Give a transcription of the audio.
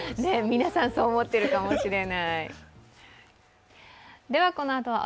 皆さんそう思ってるかもしれない。